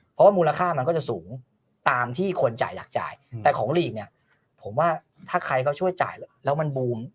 เพราะว่ามูลค่ามันก็จะสูงตามที่คนจ่ายอยากจ่ายแต่ของลีกเนี่ยผมว่าถ้าใครก็ช่วยจ่ายแล้วมันบูม